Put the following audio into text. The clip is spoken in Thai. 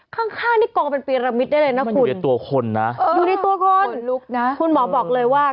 ข้างนี่กองเป็นปีระมิดได้เลยนะคุณตัวคนนะตัวคนลูกนะคุณหมอบอกเลยว่า